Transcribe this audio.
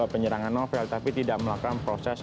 penyerangan novel tapi tidak melakukan proses